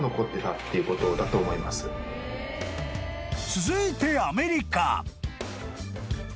［続いて］